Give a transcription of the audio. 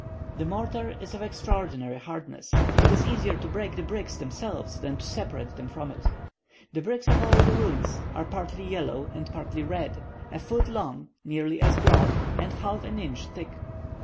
The mortar is of extraordinary hardness; it is easier to break the bricks themselves, than to separate them from it. The bricks of all the ruins are partly yellow and partly red, a foot long, nearly as broad, and half an inch thick.